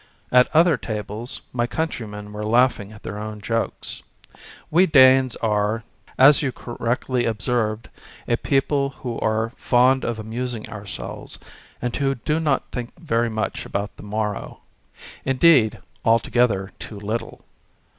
At other tables my countrymen were laughing at their own jokes. We Danes are â€" as you correctly observed^a people who are fond of amusing ourselves, and who do not think very much about the morrow; indeed, altogether too little.